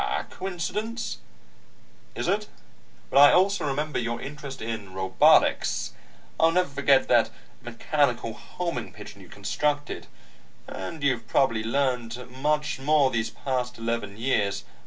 "A coincidence " "Is it? But I also remember your interest in robotics. I'll never forget that mechanical homing pigeon you constructed. And you've probably learned much more these past eleven years."